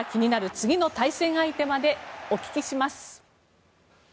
次の対戦相手までお聞きします。